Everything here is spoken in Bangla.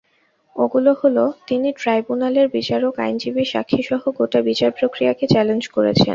এগুলো হলো তিনি ট্রাইব্যুনালের বিচারক, আইনজীবী, সাক্ষীসহ গোটা বিচারপ্রক্রিয়াকে চ্যালেঞ্জ করেছেন।